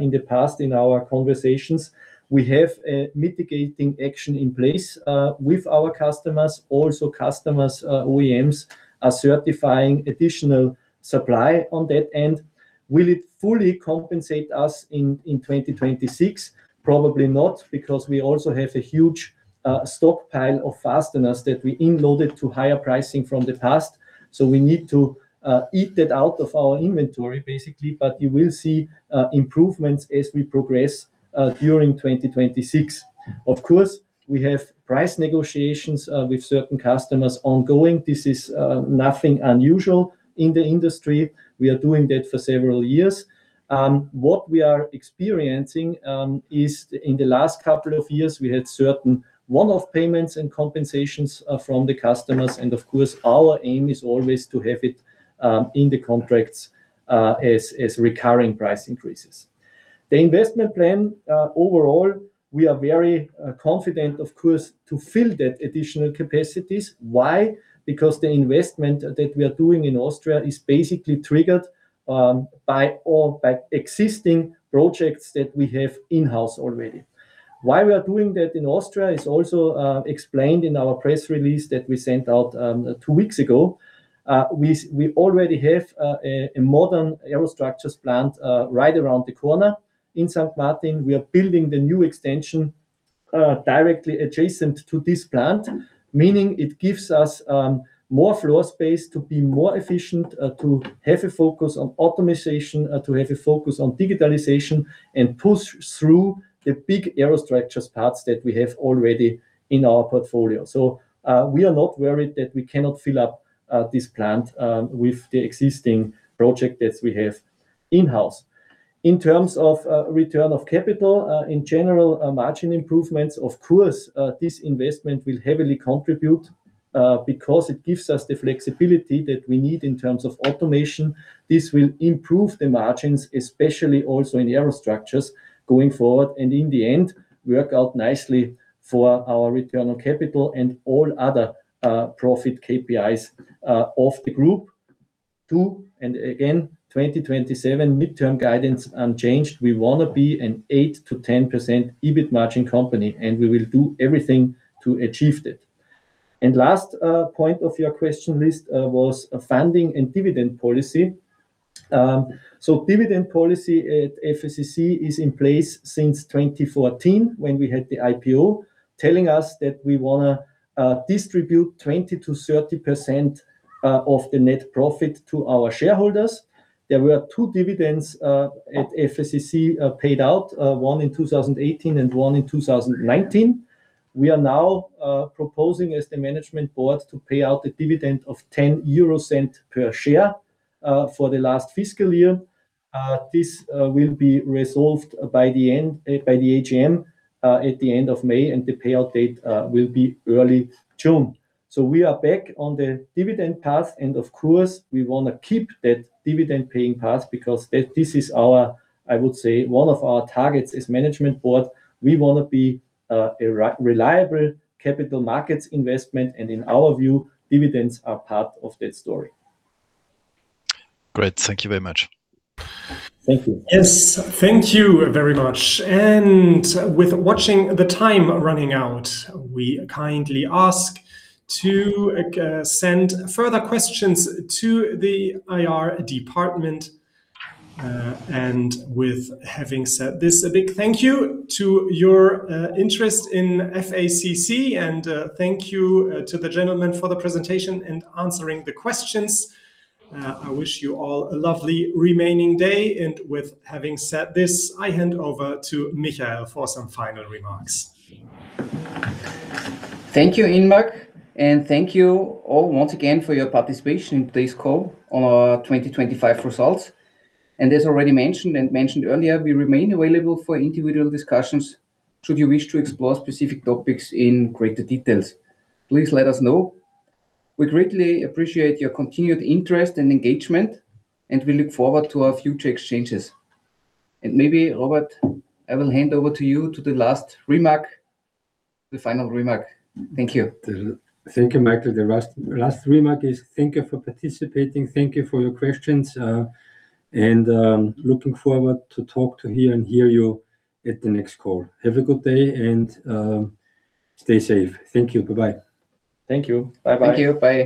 in the past in our conversations, we have a mitigating action in place with our customers. Also, customers, OEMs, are certifying additional supply on that end. Will it fully compensate us in 2026? Probably not, because we also have a huge stockpile of fasteners that we in loaded to higher pricing from the past. We need to eat that out of our inventory, basically. You will see improvements as we progress during 2026. Of course, we have price negotiations with certain customers ongoing. This is nothing unusual in the industry. We are doing that for several years. What we are experiencing is in the last couple of years, we had certain one-off payments and compensations from the customers, and of course, our aim is always to have it in the contracts as recurring price increases. The investment plan overall, we are very confident, of course, to fill that additional capacities. Why? Because the investment that we are doing in Austria is basically triggered by existing projects that we have in-house already. Why we are doing that in Austria is also explained in our press release that we sent out two weeks ago. We already have a modern Aerostructures plant right around the corner in Sankt Martin. We are building the new extension directly adjacent to this plant, meaning it gives us more floor space to be more efficient, to have a focus on optimization, to have a focus on digitalization, and push through the big Aerostructures parts that we have already in our portfolio. We are not worried that we cannot fill up this plant with the existing project that we have in-house. In terms of return of capital, in general, margin improvements, of course, this investment will heavily contribute because it gives us the flexibility that we need in terms of automation. This will improve the margins, especially also in the Aerostructures going forward, and in the end, work out nicely for our return on capital and all other profit KPIs of the group. Two, again, 2027 midterm guidance unchanged. We wanna be an 8%-10% EBIT margin company, and we will do everything to achieve that. Last point of your question list was funding and dividend policy. Dividend policy at FACC is in place since 2014 when we had the IPO, telling us that we wanna distribute 20%-30% of the net profit to our shareholders. There were two dividends at FACC paid out, one in 2018 and one in 2019. We are now proposing as the management board to pay out a dividend of 0.10 per share for the last fiscal year. This will be resolved by the AGM at the end of May, and the payout date will be early June. We are back on the dividend path, and of course, we wanna keep that dividend paying path because this is our, I would say, one of our targets as management board. We wanna be a reliable capital markets investment, and in our view, dividends are part of that story. Great. Thank you very much. Thank you. Yes. Thank you very much. With watching the time running out, we kindly ask to send further questions to the IR department. With having said this, a big thank you to your interest in FACC, and thank you to the gentlemen for the presentation and answering the questions. I wish you all a lovely remaining day. With having said this, I hand over to Michael for some final remarks. Thank you, Ingmar. Thank you all once again for your participation in today's call on our 2025 results. As already mentioned and mentioned earlier, we remain available for individual discussions should you wish to explore specific topics in greater details. Please let us know. We greatly appreciate your continued interest and engagement, and we look forward to our future exchanges. Maybe, Robert, I will hand over to you to the last remark, the final remark. Thank you. Thank you, Michael. The last remark is thank you for participating, thank you for your questions, and looking forward to talking to you and hearing from you at the next call. Have a good day and stay safe. Thank you. Bye-bye. Thank you. Bye-bye. Thank you. Bye